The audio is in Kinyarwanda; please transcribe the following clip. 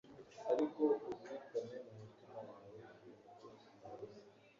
ariko uzirikane mumutima wawe ibintu byose navuze